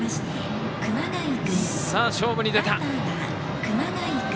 さあ、勝負に出た。